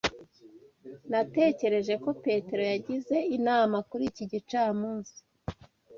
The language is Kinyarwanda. Natekereje ko Petero yagize inama kuri iki gicamunsi.